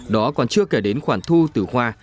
đó còn chưa kể đến khoản thu từ hoa